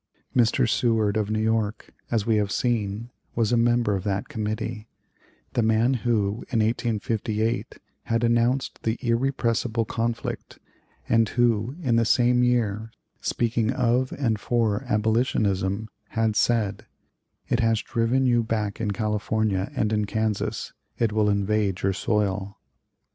Mr. Seward, of New York, as we have seen, was a member of that Committee the man who, in 1858, had announced the "irrepressible conflict," and who, in the same year, speaking of and for abolitionism, had said: "It has driven you back in California and in Kansas; it will invade your soil."